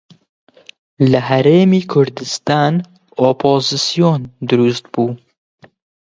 لە هەرێمی کوردستان ئۆپۆزسیۆن دروست بوو